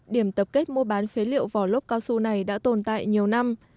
điểm tập kết mua bán phế liệu vỏ lốt cao su này đã tồn tại nhiều năm